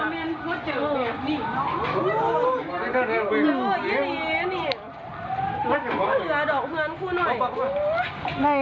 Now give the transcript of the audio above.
ดอกเฮือนกูหน่อย